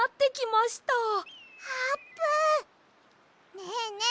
ねえねえ